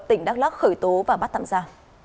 tỉnh đắk lắc khởi tố và bắt tạm giả